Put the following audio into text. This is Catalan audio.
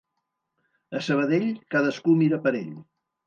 A Sabadell, cadascú mira per ell.